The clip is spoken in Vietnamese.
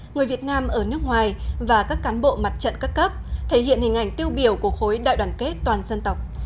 người việt nam ở nước ngoài và các cán bộ mặt trận các cấp thể hiện hình ảnh tiêu biểu của khối đại đoàn kết toàn dân tộc